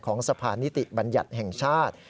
สะพานนิติบัญญัติแห่งชาติ